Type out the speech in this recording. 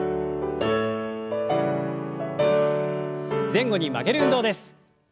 前後に曲げる運動です。